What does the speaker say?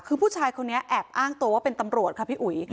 คือผู้ชายคนนี้แอบอ้างตัวว่าเป็นตำรวจค่ะพี่อุ๋ย